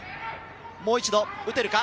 もう一度、打てるか。